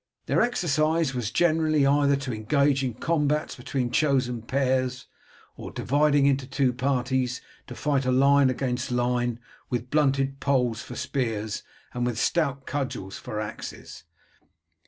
Their exercise was generally either to engage in combats between chosen pairs, or, dividing into two parties, to fight line against line with blunted poles for spears and with stout cudgels for axes.